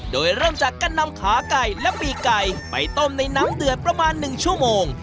โดยเริ่มจากการนำขาไก่และปีกไก่ไปต้มในน้ำเดือดประมาณ๑ชั่วโมง